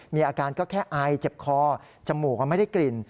มีอาการก็แค่อายเจ็บคอจมูกไม่ได้กลิ่น